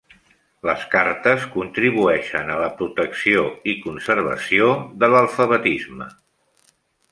Les cartes contribueixen a la protecció i conservació de l'alfabetisme.